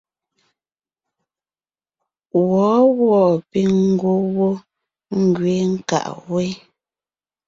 Wɔ̌wɔɔ píŋ ngwɔ́ wó ngẅeen nkàŋ wé.